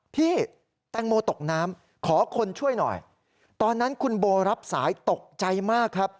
พี่แตงโมตกน้ำขอคนช่วยหน่อยตอนนั้นคุณโบรับสายตกใจมากครับ